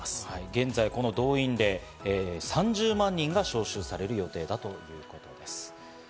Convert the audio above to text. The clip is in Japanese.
現在、この動員令、３０万人が招集される予定だということです。